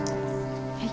はい。